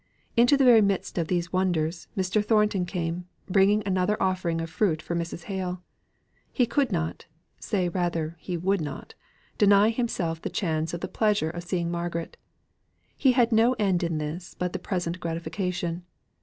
Into the very midst of these wonders Mr. Thornton came, bringing another offering of fruit for Mrs. Hale. He could not say rather, he would not deny himself the chance of the pleasure of seeing Margaret. He had no end in this but the present gratification.